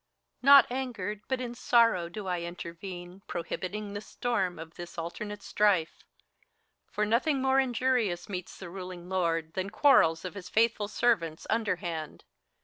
HELENA. Not angered, but in sorrow, do I intervene, Prohibiting the storm of this alternate strife ! For nothing more injurious meets the ruling lord Than quarrels of his faithful servants, imderhand.